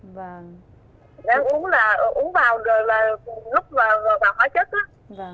ráng uống là uống vào rồi là lúc vào hóa chất á